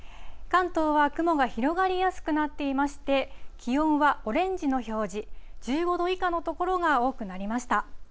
関東は雲が広がりやすくなっていまして、気温はオレンジの表示、１５度以下の所が多くなりました。